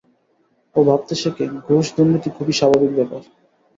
ও ভাবতে শেখে, ঘুষ দুর্নীতি খুবই স্বাভাবিক ব্যাপার।